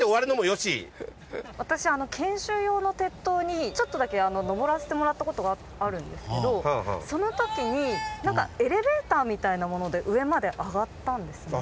私研修用の鉄塔にちょっとだけ登らせてもらった事があるんですけどその時になんかエレベーターみたいなもので上まで上がったんですね。